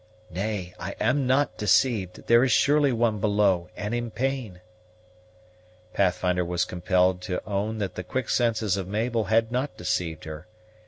"Nay, I am not deceived; there is surely one below, and in pain." Pathfinder was compelled to own that the quick senses of Mabel had not deceived her.